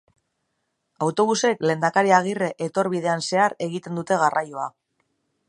Autobusek Lehendakari Agirre etorbidean zehar egiten dute garraioa.